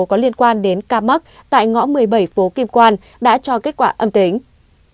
có liên quan đến ca mắc tại ngõ một mươi bảy phố kim quan đã cho kết quả âm tính